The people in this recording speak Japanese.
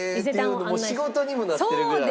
仕事にもなってるぐらい。